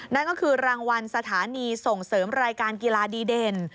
นั่นก็คือรางวัลสถานีส่งเสริมรายการกีฬาดีเด่น